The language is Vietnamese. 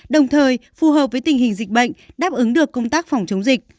đồng thời phù hợp với tình hình dịch bệnh đáp ứng được công tác phòng chống dịch